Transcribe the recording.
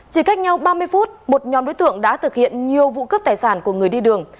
chỉ cách nhau ba mươi phút một nhóm đối tượng đã thực hiện nhiều vụ cướp tài sản của người đi đường